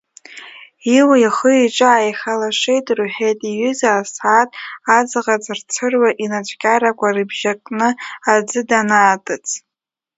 Иуа ихы-иҿы ааихалашеит рҳәеит, иҩыза асааҭ аҵӷа цырцыруа инацәкьарақәа ирыбжьакны аӡы данааҭыҵ.